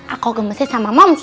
aku gemesnya sama moms